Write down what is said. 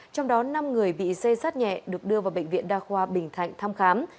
trong đó năm người bị xê sát nhẹ được đưa vào bệnh viện đa khoa bình thạnh thăm khám